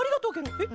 えっ？